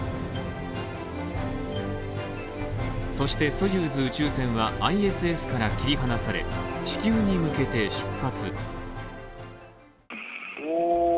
そしてソユーズ宇宙船はＩＳＳから切り離された地球に向けて出発。